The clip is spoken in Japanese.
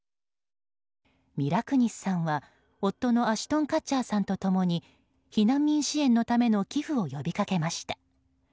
ミラ・クニスさんは夫のアシュトン・カッチャーさんと共に避難民支援のための寄付を呼びかけました。